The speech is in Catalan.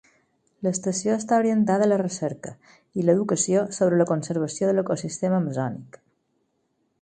L'estació està orientada a la recerca i l'educació sobre la conservació de l'ecosistema amazònic.